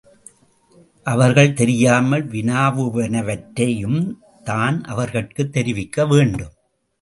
அவர்கள் தெரியாமல் வினாவுவனவற்றையும்தான் அவர்கட்குத் தெரிவிக்க வேண்டும்.